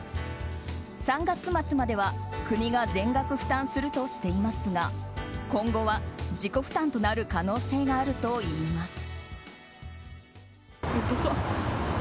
３月末までは国が全額負担するとしていますが今後は自己負担となる可能性があるといいます。